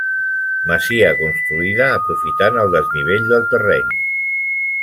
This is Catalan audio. Masia construïda aprofitant el desnivell del terreny.